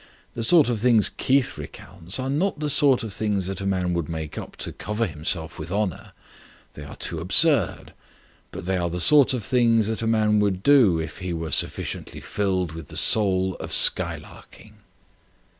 The sort of things Keith recounts are not the sort of things that a man would make up to cover himself with honour; they are too absurd. But they are the sort of things that a man would do if he were sufficiently filled with the soul of skylarking."